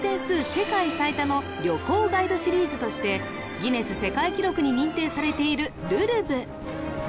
世界最多の旅行ガイドシリーズとしてギネス世界記録に認定されているるるぶ